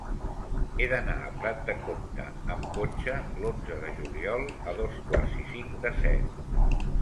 He d'anar a Prat de Comte amb cotxe l'onze de juliol a dos quarts i cinc de set.